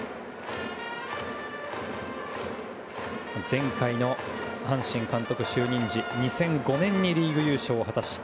前回の阪神監督就任時２００５年にリーグ優勝を果たし